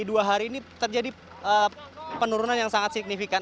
dua hari ini terjadi penurunan yang sangat signifikan